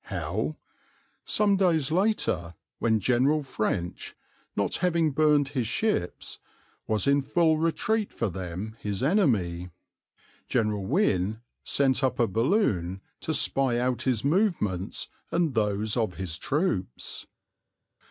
How? Some days later, when General French, not having burned his ships, was in full retreat for them his enemy, General Wynne, sent up a balloon to spy out his movements and those of his troops.